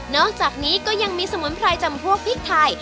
อกจากนี้ก็ยังมีสมุนไพรจำพวกพริกไทย